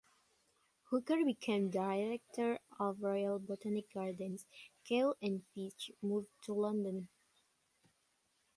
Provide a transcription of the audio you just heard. Hooker became director of Royal Botanic Gardens, Kew and Fitch moved to London.